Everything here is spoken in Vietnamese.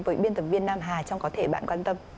với biên tập viên nam hà trong có thể bạn quan tâm